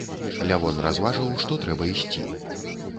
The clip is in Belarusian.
Лявон разважыў, што трэба ісці.